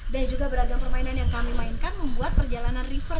dan juga beragam permainan yang kami mainkan membuat perjalanan river